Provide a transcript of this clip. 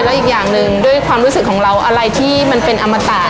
และอีกอย่างหนึ่งด้วยความรู้สึกของเราอะไรที่มันเป็นอมตะ